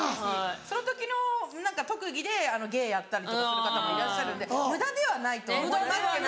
その時の特技で芸やったりとかする方もいらっしゃるんで無駄ではないとは思いますけど。